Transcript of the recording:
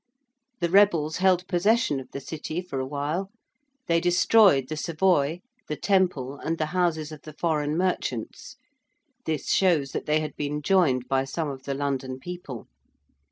The rebels held possession of the City for awhile. They destroyed the Savoy, the Temple and the houses of the foreign merchants (this shows that they had been joined by some of the London people).